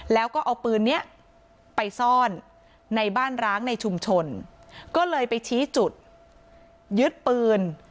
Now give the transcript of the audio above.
แล้วก็เอาปืนนี้ไปซ่อนในบ้านร้างในชุมชนก็เลยไปชี้จุดยึดปืน